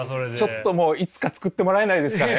ちょっともういつか作ってもらえないですかね。